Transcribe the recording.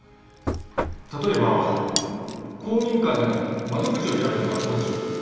例えば公民館でも窓口を開くのはどうでしょう？